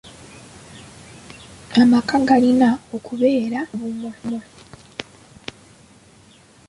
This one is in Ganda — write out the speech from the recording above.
Amaka galina okubeera obumu.